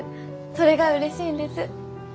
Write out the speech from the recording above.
それがうれしいんです。